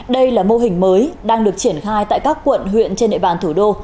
đây là mô hình mới đang được triển khai tại các quận huyện trên địa bàn thủ đô